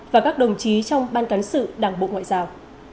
và các đồng chí trong ban cán sự đảng bộ ngoại giao